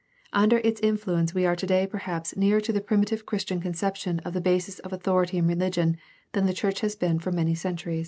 Under its influence we are today perhaps nearer to the primitive Christian conception of the basis of authority in religion than the church has been for many centuries.